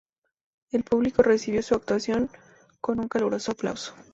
El público recibió su actuación con un caluroso aplauso.